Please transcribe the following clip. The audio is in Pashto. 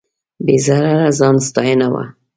بې ضرره ځان ستاینه وه.